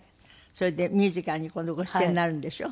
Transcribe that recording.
それでミュージカルに今度ご出演になるんでしょ？